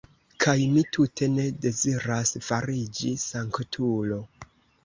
Kaj mi tute ne deziras fariĝi sanktulo!